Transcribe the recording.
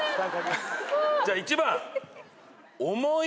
じゃあ１番。